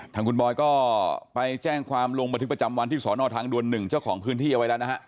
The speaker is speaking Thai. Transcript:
ทางคุณบอยก็ไปแจ้งความลงบันทึกประจำวันที่สอนอทางดวน๑เจ้าของพื้นที่เอาไว้แล้วนะฮะ